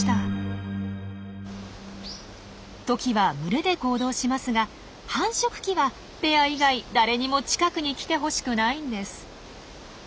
トキは群れで行動しますが繁殖期はペア以外誰にも近くに来てほしくないんです。